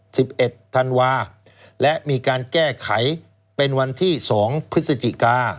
สิบเอ็ดธันวาและมีการแก้ไขเป็นวันที่สองพฤศจิกา